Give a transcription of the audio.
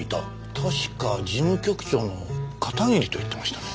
確か事務局長の片桐と言ってましたね。